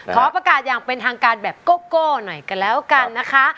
ขอประกาศอย่างเป็นทางการแบบโก้หน่อยกันแล้วกันนะคะ